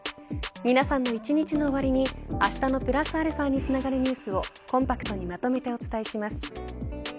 皆さんの一日の終わりにあしたのプラスαにつながるニュースをコンパクトにまとめてお伝えします。